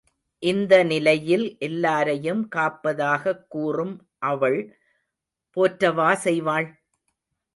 இந்த நிலையில், எல்லாரையும் காப்பதாகக் கூறும் அவள் போற்றவா செய்வாள்?